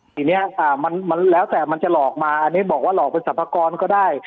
ทีนี้มันแล้วแต่มันจะหลอกมาอันนี้บอกว่าหลอกเป็นสรรพากรก็ได้